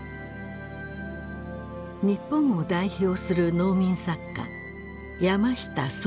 日本を代表する農民作家山下惣一さん。